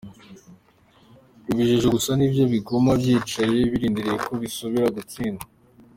Ibijuju gusa ni vyo biguma vyicaye birindiriye ko bisubira gustindwa.